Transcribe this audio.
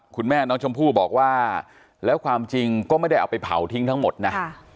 คุณแม่น้องชมพู่บอกว่าแล้วความจริงก็ไม่ได้เอาไปเผาทิ้งทั้งหมดนะ